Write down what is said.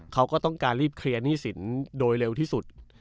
เขาก็ต้องการรีบเคลียร์หนี้สินโดยเร็วที่สุด